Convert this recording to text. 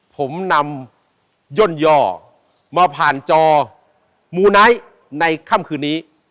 ผมนำย่นย่อมาผ่านจอมูไนท์ในค่ำคืนนี้